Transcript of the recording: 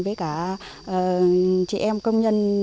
với cả chị em công nhân